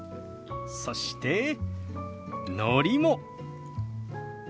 そしてのりも。